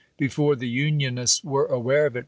Before the Unionists were aware of it.